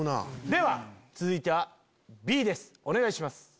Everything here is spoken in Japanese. では続いてはＢですお願いします。